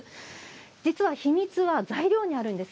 実は秘密は材料にあるんです。